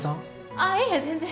あっいえ全然